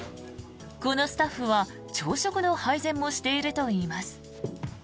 このスタッフは朝食の配膳もしているといいます。